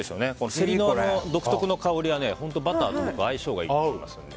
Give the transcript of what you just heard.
セリの独特な香りが本当、バターと相性がいいと思いますので。